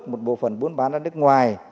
một bộ phần bị buôn bán ở nước ngoài